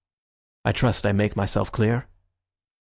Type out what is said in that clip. I trust I make myself clear."